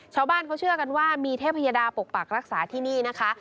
ชาวบ้านเขาเชื่อกันว่ามีเทพยดาปกปักรักษาที่นี่นะคะ